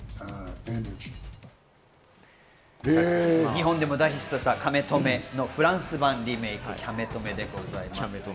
日本でも大ヒットした『カメ止め』のフランス版リメイク『キャメ止め』です。